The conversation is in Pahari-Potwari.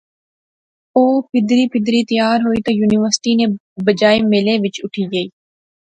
او پھیدری پھیدری تیار ہوئی تہ یونیورسٹی نے بجائے میلے وچ گئی اٹھی